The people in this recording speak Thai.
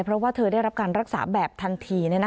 เพราะว่าเธอได้รับการรักษาแบบทันที